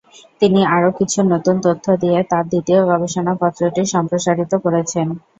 তিনি আরো কিছু নতুন তথ্য দিয়ে তার দ্বিতীয় গবেষণাপত্রটি সম্প্রসারিত করেছেন।